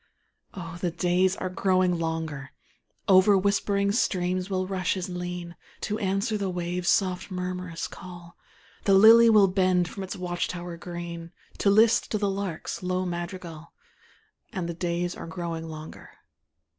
Oh, the days are growing longer; Over whispering streams will rushes lean, To answer the waves' soft murmurous call; The lily will bend from its watch tower green, To list to the lark's low madrigal, And the days are growing longer.